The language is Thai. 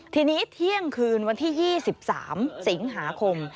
ทีนี้เที่ยงคืนวันที่๒๓สิงหาคม